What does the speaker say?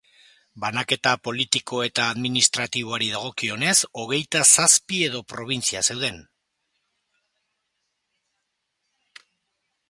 Banaketa politiko eta administratiboari dagokionez, hogeita zazpi edo probintzia zeuden.